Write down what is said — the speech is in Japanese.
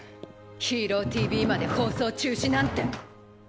「ＨＥＲＯＴＶ」まで放送中止なんて！